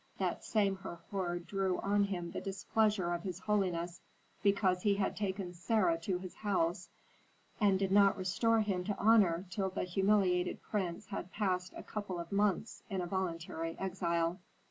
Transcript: That same Herhor drew on him the displeasure of his holiness because he had taken Sarah to his house, and did not restore him to honor till the humiliated prince had passed a couple of months in a voluntary exile.